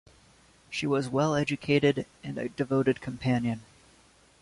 She was well-educated, and a devoted companion.